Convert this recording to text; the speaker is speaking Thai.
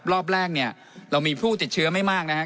รอบแรกเนี่ยเรามีผู้ติดเชื้อไม่มากนะครับ